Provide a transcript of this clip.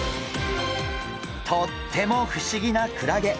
とっても不思議なクラゲ。